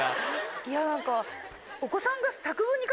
いや何か。